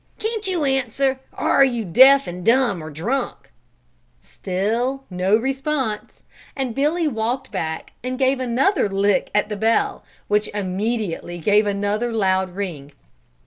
Can't you answer, or are you deaf and dumb, or drunk?" Still no response, and Billy walked back and gave another lick at the bell, which immediately gave another loud ring.